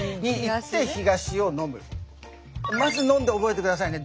まず飲んで覚えて下さいね